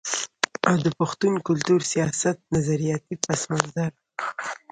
او د پښتون کلتور، سياست، نظرياتي پس منظر